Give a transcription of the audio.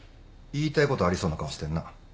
言いたいことありそうな顔してんな。